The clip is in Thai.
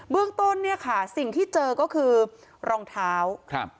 เรื่องต้นเนี่ยค่ะสิ่งที่เจอก็คือรองเท้าครับ